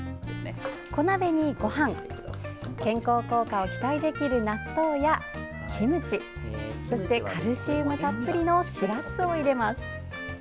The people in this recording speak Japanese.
小鍋にごはん健康効果を期待できる納豆やキムチそしてカルシウムたっぷりのしらすを入れます。